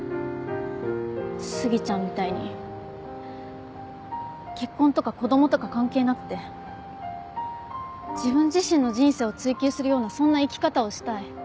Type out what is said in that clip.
杉ちゃんみたいに結婚とか子供とか関係なくて自分自身の人生を追求するようなそんな生き方をしたい。